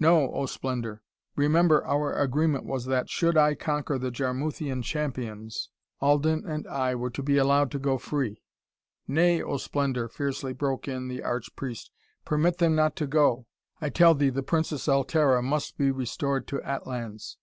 "No, oh Splendor: remember, our agreement was that, should I conquer the Jarmuthian champions, Alden and I were to be allowed to go free." "Nay, oh Splendor," fiercely broke in the arch priest, "permit them not to go. I tell thee the Princess Altara must be restored to Atlans!